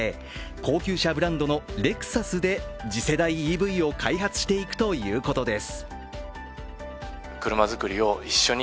高級車ブランドのレクサスで次世代ＥＶを開発していくということです。